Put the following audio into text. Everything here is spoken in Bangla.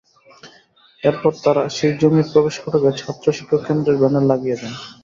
এরপর তাঁরা সেই জমির প্রবেশ ফটকে ছাত্র-শিক্ষক কেন্দ্রের ব্যানার লাগিয়ে দেন।